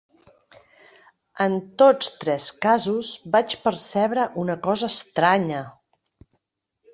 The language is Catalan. En tots tres casos vaig percebre una cosa estranya.